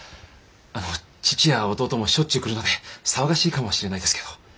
あの父や弟もしょっちゅう来るので騒がしいかもしれないですけど。